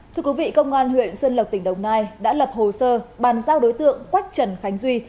thưa quý vị công an huyện xuân lộc tỉnh đồng nai đã lập hồ sơ bàn giao đối tượng quách trần khánh duy